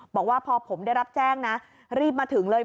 บอกว่าพอผมได้รับแจ้งนะรีบมาถึงเลย